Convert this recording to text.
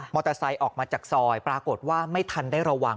มอเตอร์ไซค์ออกมาจากซอยปรากฏว่าไม่ทันได้ระวัง